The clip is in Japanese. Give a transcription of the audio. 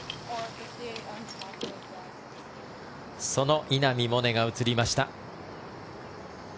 その稲見萌寧が映りました。